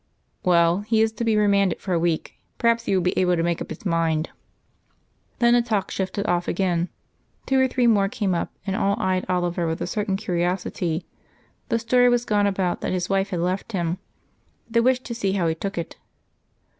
"Well, he is to be remanded for a week. Perhaps he will be able to make up his mind." Then the talk shifted off again. Two or three more came up, and all eyed Oliver with a certain curiosity; the story was gone about that his wife had left him. They wished to see how he took it.